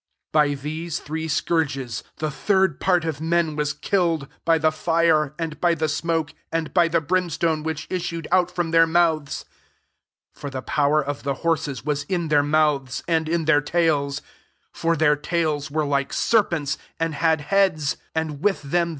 18 By these three scourges the third part of men was kil led, by the fire, and by the smoke, and by the brimstone, which issued out from their mouths. 19 For the power of the horses was in their mouths, and in their tails : for their tails were likef serpents, and had heads, and with them they * i.e.